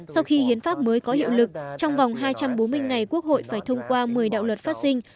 sau khi hiến pháp mới có hiệu lực trong vòng hai trăm bốn mươi ngày quốc hội phải thông qua một mươi đạo luật phát sinh